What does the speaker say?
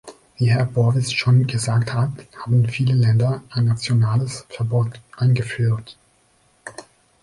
Wie Herr Bowis schon gesagt hat, haben viele Länder ein nationales Verbot eingeführt.